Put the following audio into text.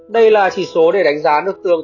đây là chỉ số để đánh giá nước tương